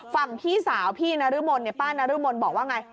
พี่สาวพี่นรมนป้านรมนบอกว่าไง